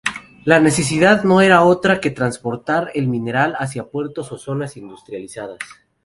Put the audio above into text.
La necesidad no era otra que transportar el mineral hacia puertos o zonas industrializadas.